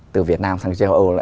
từ việt nam sang châu âu